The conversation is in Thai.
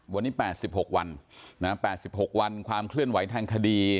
วันนี้แปดสิบหกวันแปดสิบหกวันความเคลื่อนไหวทางคดี